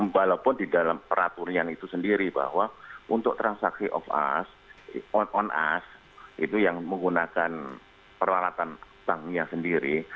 walaupun di dalam peraturan itu sendiri bahwa untuk transaksi off us on us itu yang menggunakan peralatan banknya sendiri